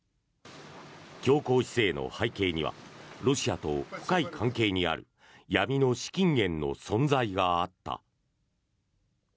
強硬姿勢の背景にはロシアと深い関係にある闇の資金源の存在があった。